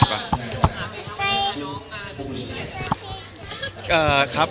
สวัสดีครับ